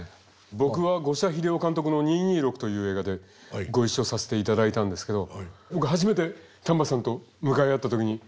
僕は五社英雄監督の「２２６」という映画でご一緒させていただいたんですけど初めて丹波さんと向かい合った時に。